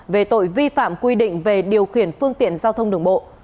về tội vi phạm quy định về điều khiển phương tiện giao thông đường bộ